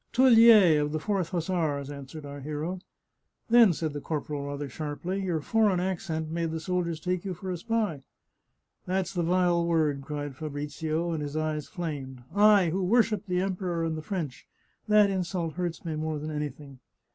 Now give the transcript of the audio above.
" Teulier, of the Fourth Hussars," answered our hero. " Then," said the corporal rather sharply, " your for eign accent made the soldiers take you for a spy ?"" That's the vile word !" cried Fabrizio, and his eyes flamed. " I, who worship the Emperor and the French — that insult hurts me more than anything